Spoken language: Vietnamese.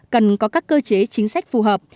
cần có các cơ chế chính sách phù hợp